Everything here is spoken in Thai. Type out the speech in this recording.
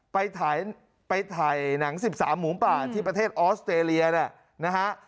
ไปถ่ายหนัง๑๓หมูป่าที่ประเทศออสเตรเลียเนี่ยนะฮะ